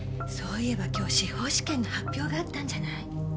そういえば今日司法試験の発表があったんじゃない？